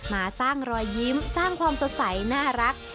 มาสร้างรอยยิ้มสร้างความสดใสน่ารัก